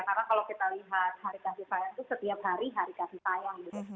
karena kalau kita lihat hari kasih sayang itu setiap hari hari kasih sayang gitu